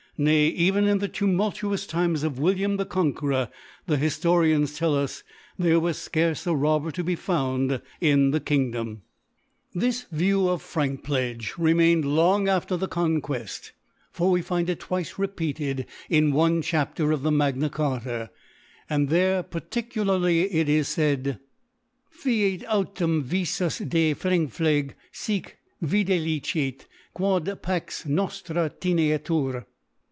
* Nay even ia the tumultuoiis Times of fViltiam the Con' queroTy the Hiftorians tell us, there wa^ fcarce a Robber to be found in the Kingdom^ This View of Frankpledge remained^ long after the Conqueft : for we find it twice repeated in one Chapter of Magna Cbarta f ; and there particularly it is faid. Fiat auiem vifus d$ Frankpleg^ fie videlicet ^OD PAX NOSTRA TENEATUR.